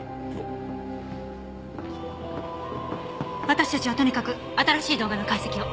私たちはとにかく新しい動画の解析を！